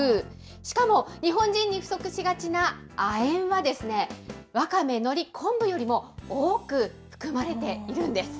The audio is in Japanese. しかも日本人に不足しがちな亜鉛は、わかめ、のり、昆布よりも多く含まれているんです。